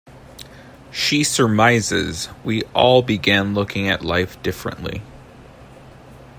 She surmises, We all began looking at life differently.